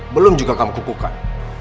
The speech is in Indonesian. belum juga kamu kukukan